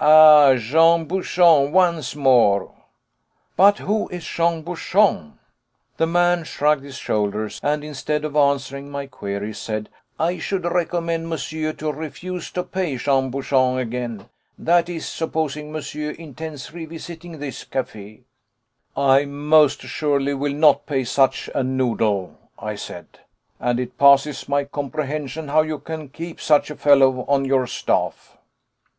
"Ah! Jean Bouchon once more!" "But who is Jean Bouchon?" The man shrugged his shoulders, and, instead of answering my query, said: "I should recommend monsieur to refuse to pay Jean Bouchon again that is, supposing monsieur intends revisiting this café." "I most assuredly will not pay such a noodle," I said; "and it passes my comprehension how you can keep such a fellow on your staff."